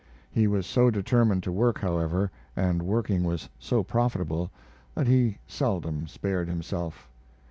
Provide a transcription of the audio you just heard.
He was so determined to work, however, and working was so profitable, that he seldom spared himself.